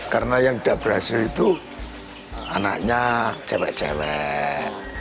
karena yang tidak berhasil itu anaknya cewek cewek